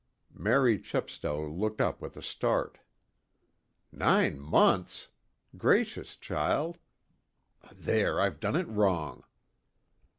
Mary Chepstow looked up with a start. "Nine months? Gracious, child there, I've done it wrong."